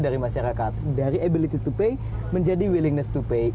dari masyarakat dari ability to pay menjadi willingness to pay